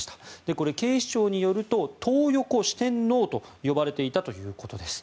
これ、警視庁によるとトー横四天王と呼ばれていたということです。